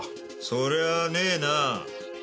そりゃあねえな。